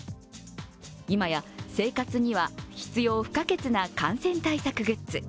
今や生活には必要不可欠な感染対策グッズ。